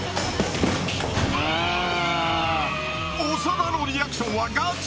長田のリアクションはガチ？